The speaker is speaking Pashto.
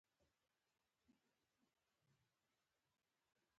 پلان جوړولو کمیټه کارپوهان هم په کې وي.